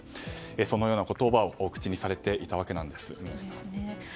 そのような言葉を口にされていたわけなんです。